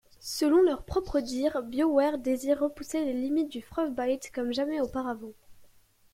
Selon leurs propres dires, Bioware désire repousser les limites du Frostbite comme jamais auparavant.